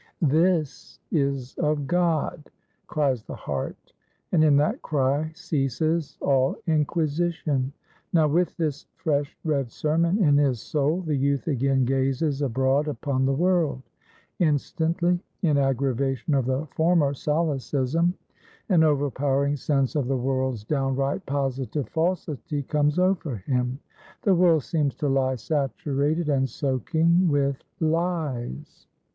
This is of God! cries the heart, and in that cry ceases all inquisition. Now, with this fresh read sermon in his soul, the youth again gazes abroad upon the world. Instantly, in aggravation of the former solecism, an overpowering sense of the world's downright positive falsity comes over him; the world seems to lie saturated and soaking with lies.